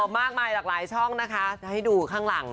มากมายหลากหลายช่องนะคะจะให้ดูข้างหลัง